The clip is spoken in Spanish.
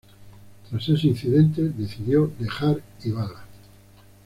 Tras ese incidente, decidió dejar Y Bala.